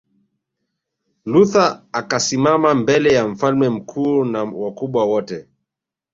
Luther akasimama mbele ya Mfalme mkuu na wakubwa wote